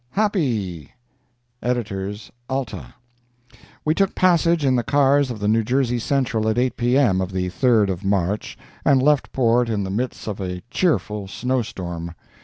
HAPPY EDITORS ALTA: We took passage in the cars of the New Jersey Central at 8 P.M. of the 3d of March, and left port in the midst of a cheerful snow storm.